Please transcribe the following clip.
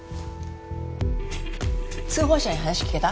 通報者に話聞けた？